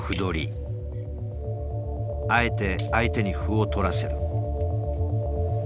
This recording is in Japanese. あえて相手に歩を取らせる。